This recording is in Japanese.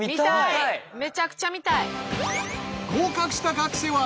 めちゃくちゃ見たい。